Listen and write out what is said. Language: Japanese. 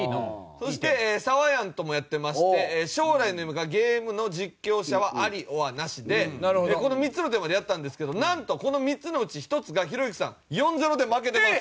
そしてサワヤンともやってまして「“将来の夢がゲームの実況者”はアリｏｒナシ」でこの３つのテーマでやったんですけどなんとこの３つのうち１つがひろゆきさん４：０で負けてます。